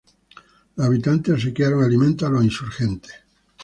Los habitantes obsequiaron alimentos a los insurgentes.